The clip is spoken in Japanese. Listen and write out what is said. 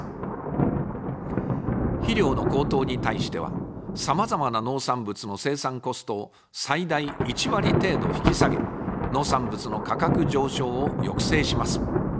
肥料の高騰に対しては、さまざまな農産物の生産コストを最大１割程度引き下げ、農産物の価格上昇を抑制します。